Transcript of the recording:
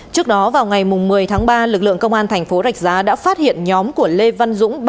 trước đó vào ngày một mươi tháng ba lực lượng công an thành phố rạch giá đã phát hiện nhóm của lê văn dũng